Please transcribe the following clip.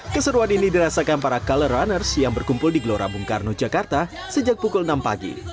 keseruan ini dirasakan para color runners yang berkumpul di gelora bung karno jakarta sejak pukul enam pagi